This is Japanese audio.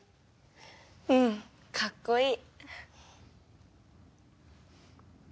うん、かっこいい。